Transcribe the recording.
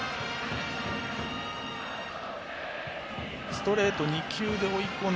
ストレート２球で追い込み